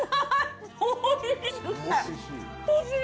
おいしい！